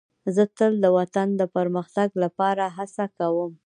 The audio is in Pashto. زه تل د وطن د پرمختګ لپاره هڅه کوم.